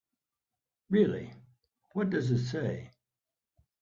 Really, what does it say?